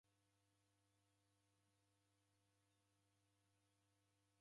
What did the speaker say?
Msekekora majala kavui na nyumba